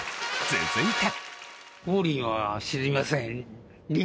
続いて。